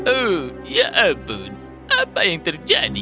oh ya ampun apa yang terjadi